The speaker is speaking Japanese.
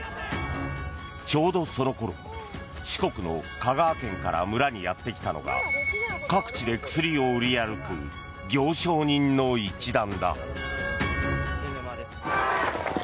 ちょうどそのころ四国の香川県から村にやってきたのが各地で薬を売り歩く行商人の一団だ。